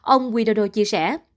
ông widodo chia sẻ